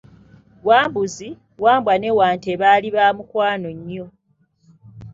Wambuzi, Wambwa ne Wante baali ba mukwano nnyo.